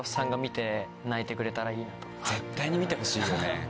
絶対に見てほしいよね。